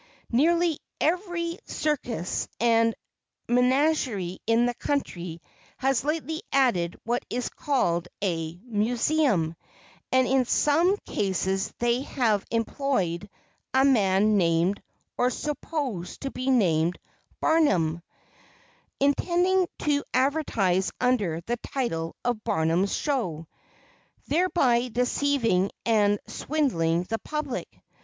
Nearly every circus and menagerie in the country has lately added what is called a "museum," and in some cases they have employed a man named, or supposed to be named, Barnum, intending to advertise under the title of "Barnum's Show," thereby deceiving and swindling the public.